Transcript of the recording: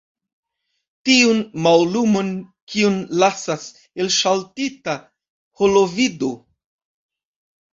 Tiun mallumon, kiun lasas elŝaltita holovido?